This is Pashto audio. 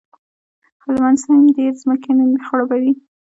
هلمند سیند ډېرې ځمکې خړوبوي.